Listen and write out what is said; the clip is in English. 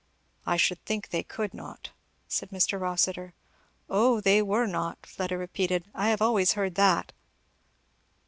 "I should think they could not," said Mr. Rossitur. "Oh they were not!" Fleda repeated. "I have always heard that."